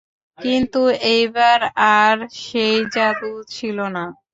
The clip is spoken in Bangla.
কিন্তু, এইবার আর সেই যাদু ছিল না।